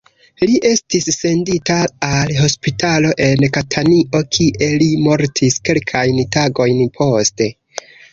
Li estis sendita al hospitalo en Katanio, kie li mortis kelkajn tagojn poste.